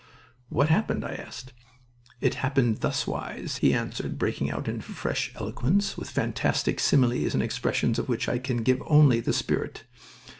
"What happened?" I asked. "It happened thuswise," he answered, breaking out into fresh eloquence, with fantastic similes and expressions of which I can give only the spirit.